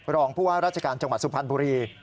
รองผู้ว่าราชการจังหวัดสุพรรณบุรี